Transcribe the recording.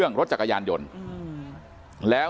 มีคลิปก่อนนะครับ